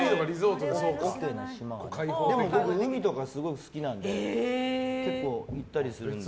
でも僕、海とかすごい好きなので結構、行ったりするので。